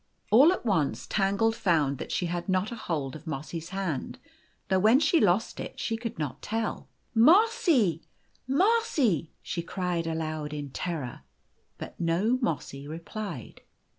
All at once Tangle found that she had not a hold of Mossy's hand, though when she lost it she could not tell. u Mossy, Mossy !" she cried aloud in terror. The Golden Key 197 But no Mossy replied.